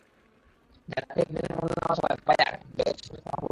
জাহাজ থেকে কনটেইনার ওঠানো-নামানোর কাজের সময় বাঁ পায়ে আঘাত পান ডকশ্রমিক মাহবুব রহমান।